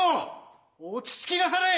落ち着きなされい。